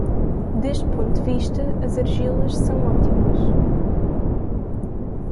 Deste ponto de vista, as argilas são ótimas.